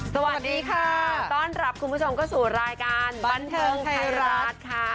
สวัสดีค่ะต้อนรับคุณผู้ชมเข้าสู่รายการบันเทิงไทยรัฐค่ะ